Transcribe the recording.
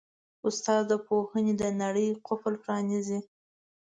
استاد د پوهې د نړۍ قفل پرانیزي.